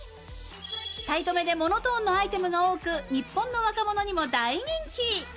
タイトめでモノトーンなアイテムが多く日本の若者にも大人気。